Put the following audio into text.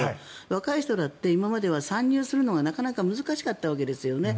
若い人だって今までは参入するのがなかなか難しかったわけですよね。